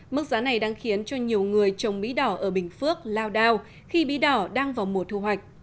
mức giá này đang khiến cho nhiều người trồng mỹ đỏ ở bình phước lao đao khi bí đỏ đang vào mùa thu hoạch